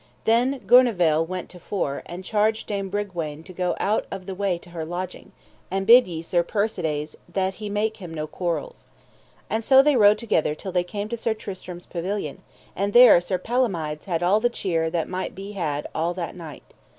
Then Gouvernail went to fore, and charged Dame Bragwaine to go out of the way to her lodging. And bid ye Sir Persides that he make him no quarrels. And so they rode together till they came to Sir Tristram's pavilion, and there Sir Palomides had all the cheer that might be had all that night.